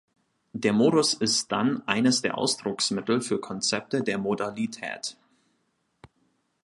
Der Modus ist dann eines der Ausdrucksmittel für Konzepte der Modalität.